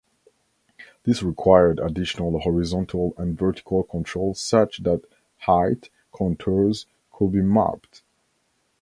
This required additional horizontal and vertical control such that height contours could be mapped.